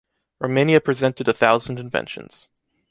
Romania presented a thousand inventions.